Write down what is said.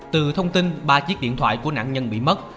từ thông tin ba chiếc điện thoại của nạn nhân bị mất